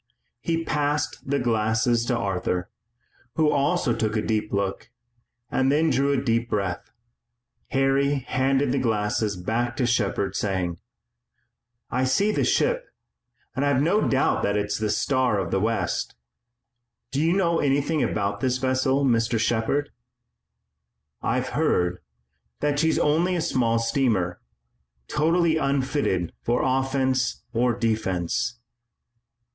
He passed the glasses to Arthur, who also took a look, and then drew a deep breath. Harry handed the glasses back to Shepard, saying: "I see the ship, and I've no doubt that it's the Star of the West. Do you know anything about this vessel, Mr. Shepard?" "I've heard that she's only a small steamer, totally unfitted for offense or defense."